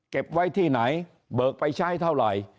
เก็บไว้ที่ไหนเบิกไปใช้เท่าไหร่